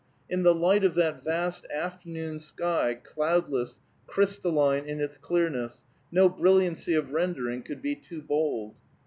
In the light of that vast afternoon sky, cloudless, crystalline in its clearness, no brilliancy of rendering could be too bold.